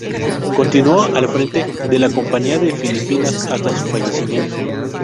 Continuó al frente de la Compañía de Filipinas hasta su fallecimiento.